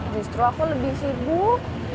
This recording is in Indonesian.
justru aku lebih sibuk